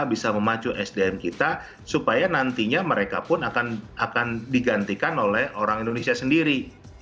bisa memacu sdm kita supaya nantinya mereka pun akan digantikan oleh orang indonesia sendiri